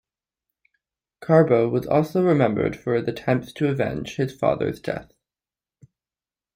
Carbo was also remembered for his attempts to avenge his father's death.